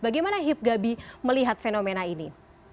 bagaimana hibgabi melihat fenomena ini